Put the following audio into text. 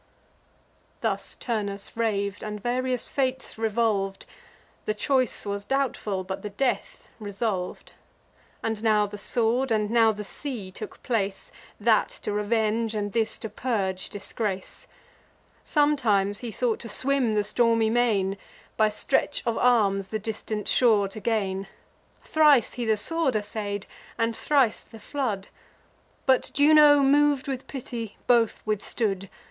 Thus Turnus rav'd, and various fates revolv'd: The choice was doubtful, but the death resolv'd. And now the sword, and now the sea took place, That to revenge, and this to purge disgrace. Sometimes he thought to swim the stormy main, By stretch of arms the distant shore to gain. Thrice he the sword assay'd, and thrice the flood; But Juno, mov'd with pity, both withstood.